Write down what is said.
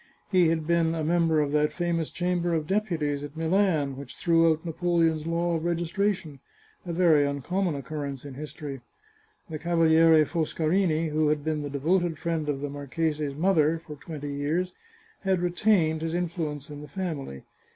He had been a mem ber of that famous Chamber of Deputies at Milan which threw out Napoleon's law of registration — a very uncommon occurrence in history. The Cavaliere Foscarini, who had been the devoted friend of the marchese's mother for twenty years, had retained his influence in the family.